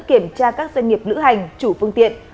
kiểm tra các doanh nghiệp lữ hành chủ phương tiện